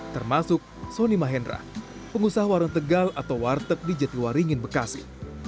termasuk soni mahendra pengusaha warung tegal atau warteg di jatiwaringin bekasi